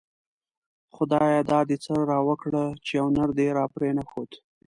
خدايه دا دی څه راوکړه ;چی يو نر دی راپری نه ښود